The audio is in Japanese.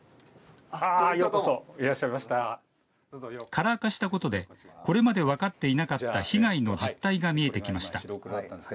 カラー化したことでこれまで分かっていなかった被害の実態が見えてきました。